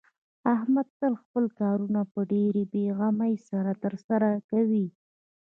احمد تل خپل کارونه په ډېرې بې غمۍ سره ترسره کوي.